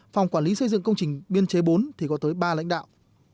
phòng quản lý xây dựng công trình biên chế bốn thì có tới ba lãnh đạo